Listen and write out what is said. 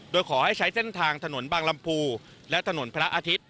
โดยขอให้ใช้เส้นทางถนนบางลำพูและถนนพระอาทิตย์